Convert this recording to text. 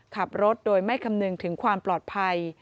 ขับรถโดยไม่คำนึงถึงความปลอดภัย